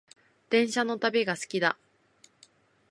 電車の旅が好きだ